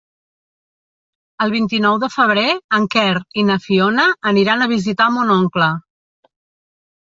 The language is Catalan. El vint-i-nou de febrer en Quer i na Fiona aniran a visitar mon oncle.